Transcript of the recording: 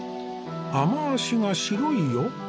雨脚が白いよ。